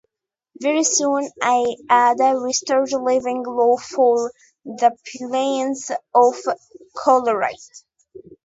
Very soon Ada regrets leaving Iowa for the plains of Colorado.